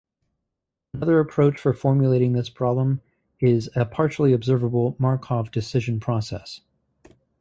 Another approach for formulating this problem is a partially observable Markov decision process.